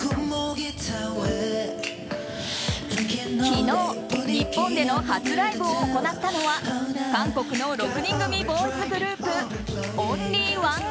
昨日、日本での初ライブを行ったのは韓国の６人組ボーイズグループＯｎｌｙＯｎｅＯｆ。